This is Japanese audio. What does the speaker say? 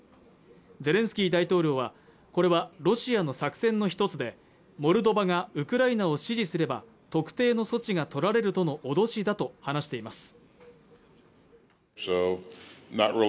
ゼレンスキー大統領はこれはロシアの作戦の１つでモルドバがウクライナを支持すれば特定の措置がとられるとの脅しだと話しています